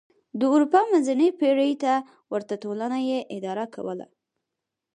د اروپا منځنۍ پېړۍ ته ورته ټولنه یې اداره کوله.